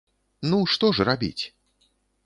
Ну, што ж рабіць?